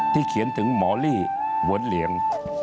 เขียนถึงหมอลี่หัวเหลียง